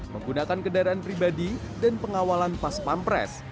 menggunakan kedaraan pribadi dan pengawalan paspampres